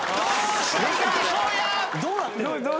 どうなってるの？